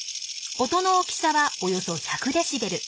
音の大きさはおよそ１００デシベル。